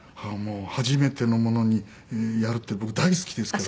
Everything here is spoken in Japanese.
初めてのものにやるって僕大好きですから。